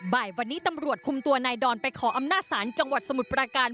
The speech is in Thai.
บ่ายวันนี้ตำรวจคุมตัวนายดอนไปขออำนาจศาลจังหวัดสมุทรประการ